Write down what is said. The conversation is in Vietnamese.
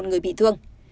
một người bị thương